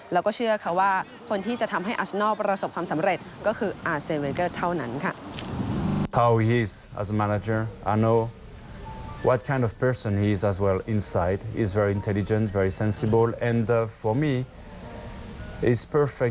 แล้วก็เชื่อค่ะว่าคนที่จะทำให้อัชนอลประสบความสำเร็จก็คืออาเซเวนเกอร์เท่านั้นค่ะ